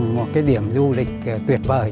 một cái điểm du lịch tuyệt vời